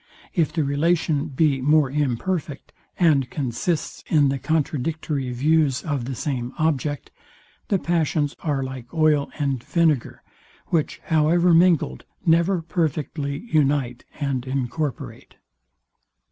If the relation be more imperfect, and consists in the contradictory views of the same object, the passions are like oil and vinegar, which, however mingled, never perfectly unite and incorporate.